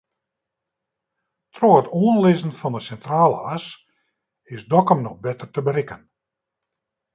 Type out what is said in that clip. Troch it oanlizzen fan de Sintrale As is Dokkum no better te berikken.